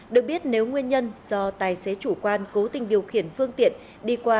được biết nếu nguyên nhân do tài xế chủ quan cố tình điều khiển phương tiện đi qua